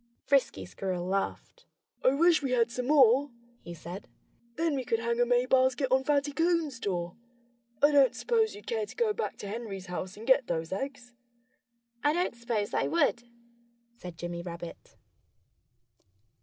Frisky Squirrel laughed. "I wish we had some more," he said. "Then we could hang a May basket on Fatty Coon's door.... I don't suppose you'd care to go back to Henry's house and get those eggs?" "I don't suppose I would," said Jimmy Rabbit.